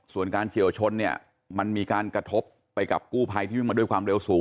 ส่วนการเฉียวชนเนี่ยมันมีการกระทบไปกับกู้ภัยที่วิ่งมาด้วยความเร็วสูง